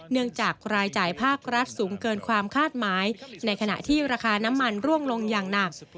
เนื่องจากรายจ่ายภาครัฐสูงเกินความคาดหมายในขณะที่ราคาน้ำมันร่วงลงอย่างหนัก